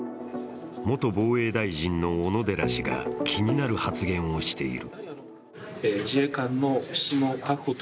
元防衛大臣の小野寺氏が気になる発言をしている。